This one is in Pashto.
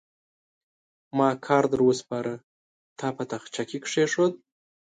ما کار در وسپاره؛ تا په تاخچه کې کېښود.